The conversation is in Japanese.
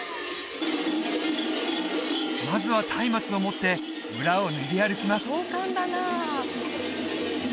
まずは松明を持って村を練り歩きます